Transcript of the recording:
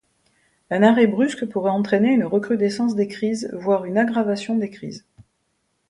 Un arrêt brusque pourrait entraîner une recrudescence des crises, voire une aggravation des crises.